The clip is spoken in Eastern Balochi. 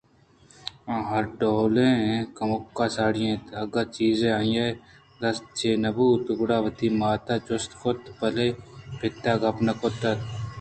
آ ہرڈولیں کمکءَ ساڑی اِنت ءُاگاں چیزے آئی ءِ دستاں چہ نہ بوت گڑاوتی مات ءَ جست کنت بلئے پت ءَ گوں گپ کُت نہ کنت